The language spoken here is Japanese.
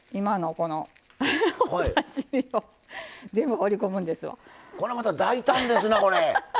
これまた大胆ですなこれ！